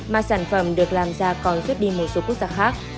mà sản phẩm được làm ra còn vứt đi một số quốc gia khác